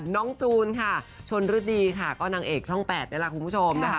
น้องจูนค่ะชนฤดีค่ะก็นางเอกช่อง๘ในลักษณ์คุณผู้ชมนะคะ